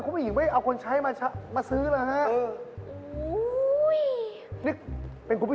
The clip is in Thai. คือถึงไม่โดนกะบังลมโดนอะไรก็ไม่รู้